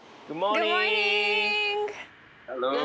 グッドモーニング。